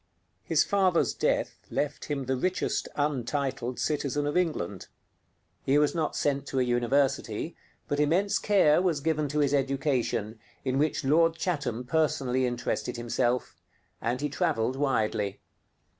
His father's death left him the richest untitled citizen of England. He was not sent to a university, but immense care was given to his education, in which Lord Chatham personally interested himself; and he traveled widely.